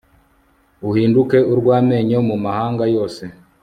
uhinduke urw'amenyo mu mahanga yose